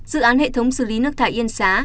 dự án hệ thống xử lý nước thải yên xá